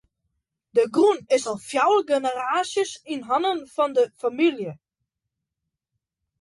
De grûn is al fjouwer generaasjes yn hannen fan de famylje.